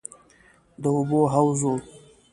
د اوبو حوض و.